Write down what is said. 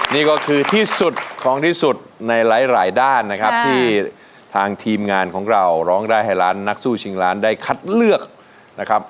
นี่ก็คือที่สุดของที่สุดในหลายด้านนะครับที่ทางทีมงานของเราร้องได้ให้ล้านนักสู้ชิงล้านได้คัดเลือกนะครับ